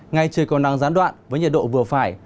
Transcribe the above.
ngay trời còn nắng gián đoạn với nhiệt độ vừa phải